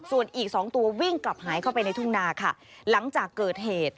ส่วนอีกสองตัววิ่งกลับหายเข้าไปในทุ่งนาค่ะหลังจากเกิดเหตุ